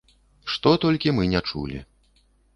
Што толькі мы не чулі!